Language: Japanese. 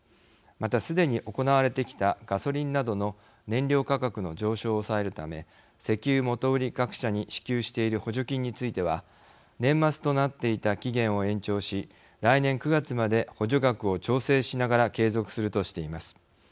また、すでに行われてきたガソリンなどの燃料価格の上昇を抑えるため石油元売り各社に支給している補助金については年末となっていた期限を延長し来年９月まで補助額を調整しながら継続するとしています。